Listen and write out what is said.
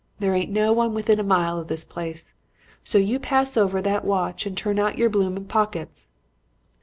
There ain't no one within a mile of this place. So you pass over that watch and turn out yer bloomin' pockets.'